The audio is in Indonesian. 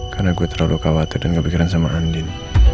karena gue terlalu khawatir dan kepikiran sama andin